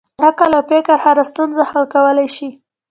عقل او فکر هره ستونزه حل کولی شي.